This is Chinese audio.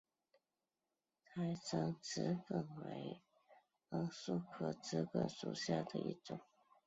胎生紫堇为罂粟科紫堇属下的一个种。